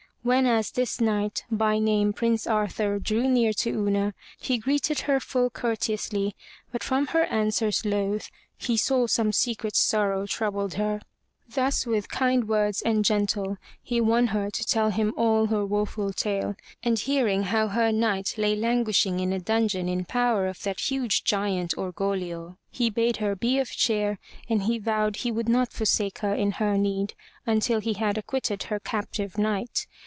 Whenas this knight, by name Prince Arthur, drew near to Una, he greeted her full courteously, but from her answers loath, he saw some secret sorrow troubled her. Thus with kind words and gentle he won her to tell him all her woful tale, and 35 MY BOOK HOUSE hearing how her knight lay languishing in a dungeon in power of that huge giant, Orgoglio, he bade her be of cheer, and vowed he would not forsake her in her need until he had acquitted her cap tive knight.